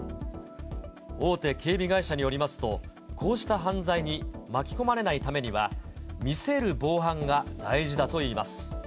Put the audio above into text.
大手警備会社によりますと、こうした犯罪に巻き込まれないためには、見せる防犯が大事だといいます。